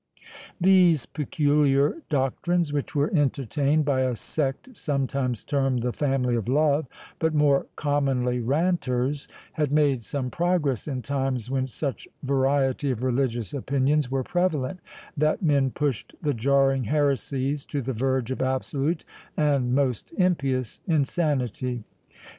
These peculiar doctrines, which were entertained by a sect sometimes termed the Family of Love, but more commonly Ranters, had made some progress in times when such variety of religious opinions were prevalent, that men pushed the jarring heresies to the verge of absolute and most impious insanity.